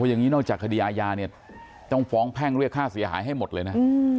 อย่างนี้นอกจากคดีอาญาเนี่ยต้องฟ้องแพ่งเรียกค่าเสียหายให้หมดเลยนะ